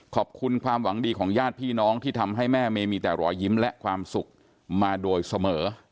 ขอบคุณความหวังดีของญาติพี่น้องที่ทำให้แม่เมย์มีแต่รอยยิ้มและความสุขมาโดยเสมอ